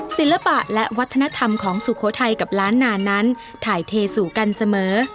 ศิลปะและวัฒนธรรมของสุโขทัยกับล้านนานั้นถ่ายเทสู่กันเสมอ